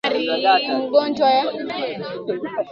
magonjwa yanayoathiri biashara za mifugo